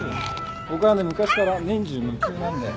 僕はね昔から年中無休なんで。